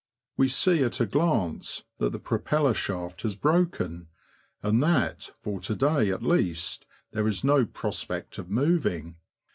We see at a glance that the propeller shaft has broken, and that, for to day at least, there is no prospect of moving.